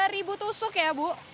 tiga ribu tusuk ya bu